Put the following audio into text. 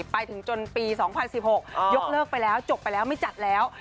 ไปถึงจนปี๒๐๑๖ยกเลิกไปแล้วจบไปแล้วไม่จัดแล้ว